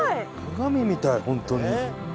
鏡みたい本当に。